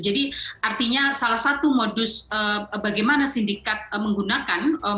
jadi artinya salah satu modus bagaimana sindikat menggunakan media